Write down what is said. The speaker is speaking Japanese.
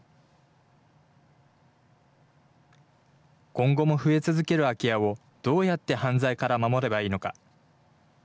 今後も増え続ける空き家を、どうやって犯罪から守ればいいのか。